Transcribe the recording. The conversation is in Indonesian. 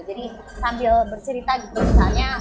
jadi sambil bercerita gitu misalnya